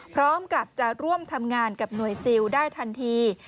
พร้อมกับจะร่วมทำงานกับหน่วยซิลได้ทันที